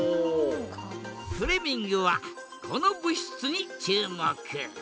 フレミングはこの物質に注目。